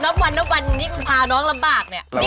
น้ำวันน้ำวันที่พาน้องลำบากเนี่ย